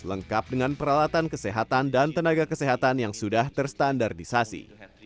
lengkap dengan peralatan kesehatan dan tenaga kesehatan yang sudah terstandarisasi